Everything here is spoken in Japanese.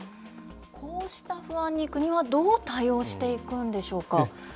こうした不安に、国はどう対応していくんでしょうか。